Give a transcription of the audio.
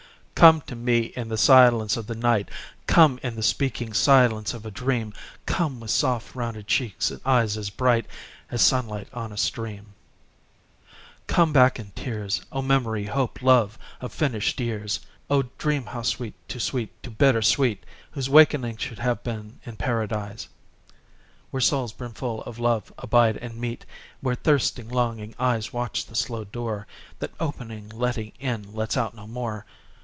Come to me in the silence of the night; Come in the speaking silence of a dream; Come with soft rounded cheeks and eyes as bright As sunlight on a stream; Come back in tears, O memory, hope, love of finished years. O dream how sweet, too sweet, too bitter sweet, Whose wakening should have been in Paradise, Where souls brimful of love abide and meet; Where thirsting longing eyes Watch the slow door That opening, letting in, lets out no more.